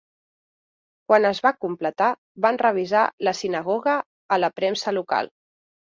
Quan es va completar, van revisar la sinagoga a la premsa local.